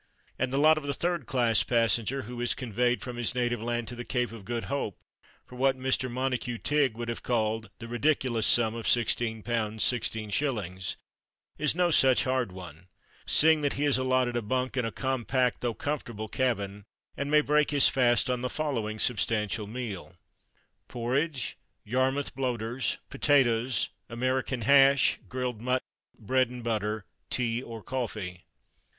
And the lot of the third class passenger who is conveyed from his native land to the Cape of Good Hope, for what Mr. Montague Tigg would have called "the ridiculous sum of" £16: 16s., is no such hard one, seeing that he is allotted a "bunk" in a compact, though comfortable cabin, and may break his fast on the following substantial meal: Porridge, Yarmouth bloaters, potatoes, American hash, grilled mutton, bread and butter, tea or coffee.